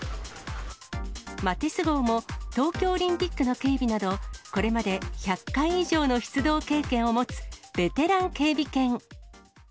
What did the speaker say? マティス号も、東京オリンピックの警備など、これまで１００回以上の出動経験を持つベテラン警備犬。